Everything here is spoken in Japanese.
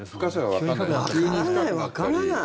わからない、わからない。